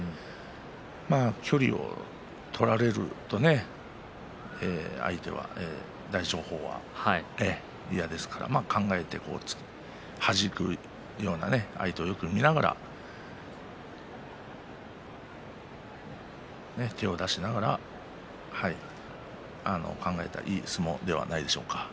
まあ距離を取られるとね大翔鵬は嫌ですから考えて、はじくような相手をよく見ながら手を出しながら考えたいい相撲ではないでしょうか。